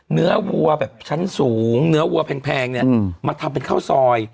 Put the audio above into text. วัวแบบชั้นสูงเนื้อวัวแพงเนี่ยมาทำเป็นข้าวซอย